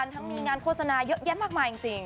นึกว่ามีงานโฆษณาเยอะมากมายังจริง